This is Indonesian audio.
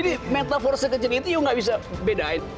jadi metafor sekecil itu nggak bisa dibedain